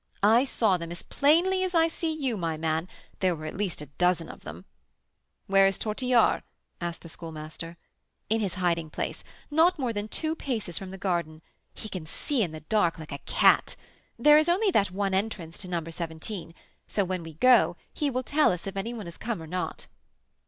I saw them as plainly as I see you, my man; there were at least a dozen of them." "Where is Tortillard?" said the Schoolmaster. "In his hiding place, not more than two paces from the garden. He can see in the dark like a cat. There is only that one entrance to No. 17, so when we go he will tell us if any one has come or not."